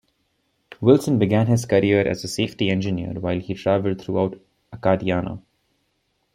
Wilson began his career as a safety engineer while he traveled throughout Acadiana.